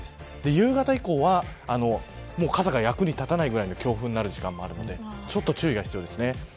夕方以降は傘が役に立たないぐらいの強風になる時間もあるのでちょっと注意が必要ですね。